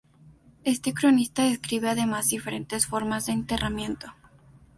Este cronista describe además diferentes formas de enterramiento.